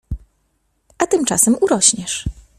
A tymczasem urośniesz.